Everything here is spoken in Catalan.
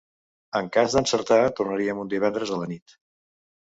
En cas d'encertar, tornarien un divendres a la nit.